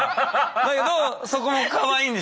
だけどそこもかわいいんでしょ？